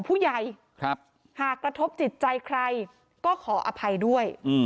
ผู้ใหญ่ครับหากกระทบจิตใจใครก็ขออภัยด้วยอืม